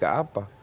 dia etika apa